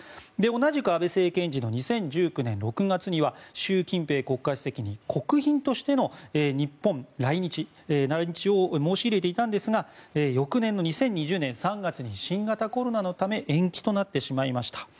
同じく安倍政権時の２０１９年６月には習近平国家主席に国賓としての日本来日を申し入れていたんですが翌年の２０２０年３月に新型コロナのため延期となってしまいました。